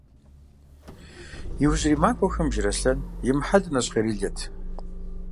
Иужьрей махуэхэм Жыраслъэн имыхьэлу нэщхъейрилэт.